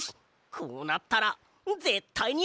こうなったらぜったいにあてるぞ！